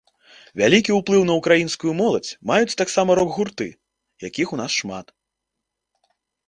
Вялікі ўплыў на ўкраінскую моладзь маюць таксама рок-гурты, якіх у нас шмат.